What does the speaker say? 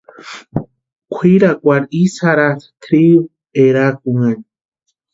Kwʼirakwarhu isï jaratʼi trigu erakunhani.